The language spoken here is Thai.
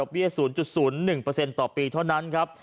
อัพเวียส๐๐๑เปอร์เซ็นต์ต่อปีเท่านั้นครับ